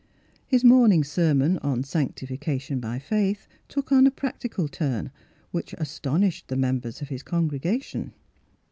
His morning sermon on " Sanctification by Faith," took on a practical turn, which astonished the members of his congregation.